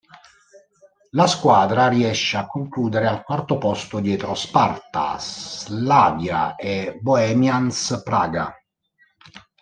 La squadra riesce a concludere al quarto posto dietro Sparta, Slavia e Bohemians Praga.